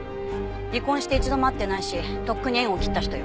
離婚して一度も会ってないしとっくに縁を切った人よ。